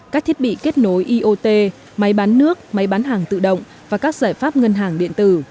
các thiết bị kết nối iot máy bán nước máy bán hàng tự động và các giải pháp ngân hàng điện tử